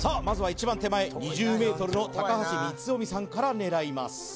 まずは一番手前２０ｍの高橋光臣さんから狙います